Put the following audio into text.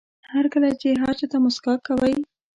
هر کله چې هر چا ته موسکا کوئ.